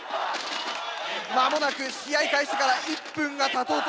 間もなく試合開始から１分がたとうとしています。